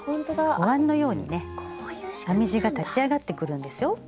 おわんのようにね編み地が立ち上がってくるんですよ。